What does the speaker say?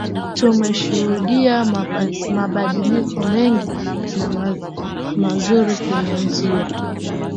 Tumeshuhudia mabadiliko mengi na mazuri kimazingira